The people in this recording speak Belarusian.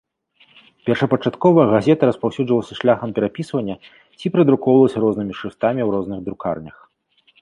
Першапачаткова газета распаўсюджвалася шляхам перапісвання ці перадрукоўвалася рознымі шрыфтамі ў розных друкарнях.